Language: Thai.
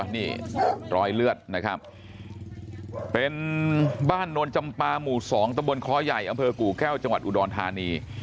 นี่รอยเลือดนะครับเป็นบ้านโนนจำปาหมู่๒ตะบนคอใหญ่อำเภอกู่แก้วจังหวัดอุดรธานี